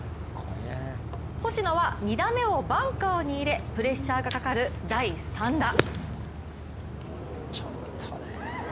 星野は２打目をバンカーに入れプレッシャーがかかる、第３打。